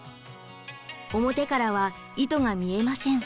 表からは糸が見えません。